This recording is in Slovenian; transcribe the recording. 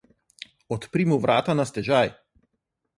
Odpri mu vrata na stežaj!